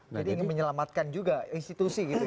jadi menyelamatkan juga institusi gitu ya